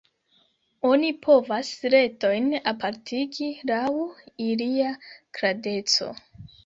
Oni povas retojn apartigi laŭ ilia grandeco.